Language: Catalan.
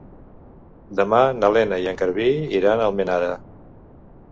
Demà na Lena i en Garbí iran a Almenara.